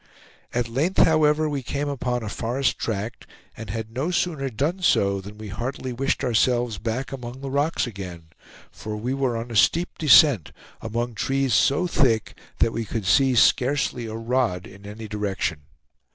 At length, however, we came upon a forest tract, and had no sooner done so than we heartily wished ourselves back among the rocks again; for we were on a steep descent, among trees so thick that we could see scarcely a rod in any direction.